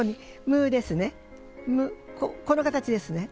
ムこの形ですね。